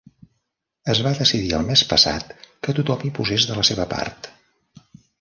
Es va decidir el mes passat que tothom hi posés de la seva part